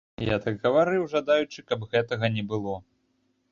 Я так гаварыў, жадаючы, каб гэтага не было.